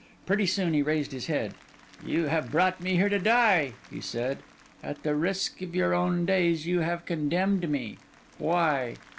Pretty soon, he raised his head. 'You have brought me here to die,' he said; 'at the risk of your own days, you have condemned me. Why?